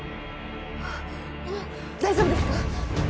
大丈夫ですか？